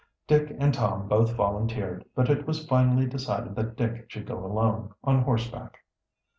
Dick and Tom both volunteered, but it was finally decided that Dick should go alone, on horseback.